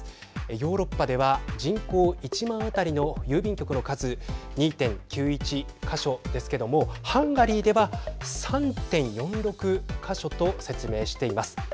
ヨーロッパでは人口１万当たりの郵便局の数２．９１か所ですけどもハンガリーでは３．４６か所と説明しています。